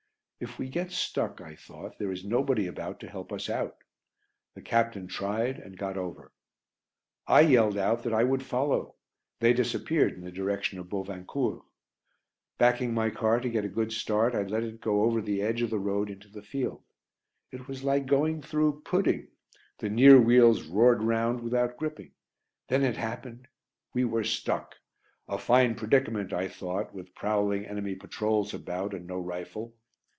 "If we get stuck," I thought, "there is nobody about to help us out." The captain tried and got over. I yelled out that I would follow; they disappeared in the direction of Bovincourt. Backing my car to get a good start I let it go over the edge of the road into the field. It was like going through pudding. The near wheels roared round without gripping. Then it happened! We were stuck! A fine predicament, I thought, with prowling enemy patrols about and no rifle.